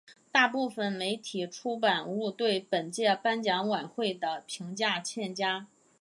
大部分媒体出版物对本届颁奖晚会的评价欠佳。